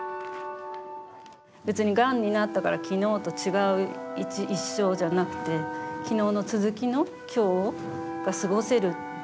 別に、がんになったから昨日と違う一生じゃなくて昨日の続きの今日が過ごせる。